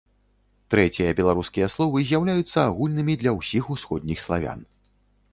Трэція беларускія словы з'яўляюцца агульнымі для ўсіх усходніх славян.